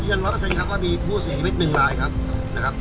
เชียญยันร้อยเปอร์เซ็นต์ครับว่ามีผู้สี่ชีวิตหนึ่งลายครับ